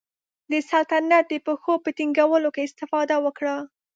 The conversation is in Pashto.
د سلطنت د پښو په ټینګولو کې استفاده وکړه.